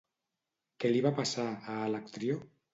Què li va passar, a Alectrió?